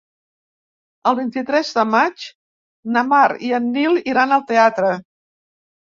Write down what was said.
El vint-i-tres de maig na Mar i en Nil iran al teatre.